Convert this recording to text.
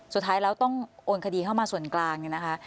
สุดท้ายแล้วต้องโอนคดีเข้ามาส่วนกลางเนี่ยนะคะ